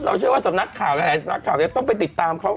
เราเชื่อว่าสำนักข่าวแหละสำนักข่าวเนี้ยต้องไปติดตามเขา